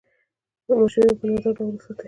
ماشینونه په منظم ډول وساتئ.